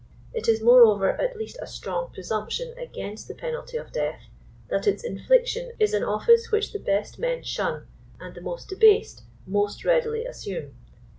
It is moreover at least a strong presumption against the penalty of death, that its infliction is an office which the best men shun and the most debased most readily assume.